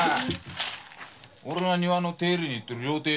おれが庭の手入れに行ってる料亭よ。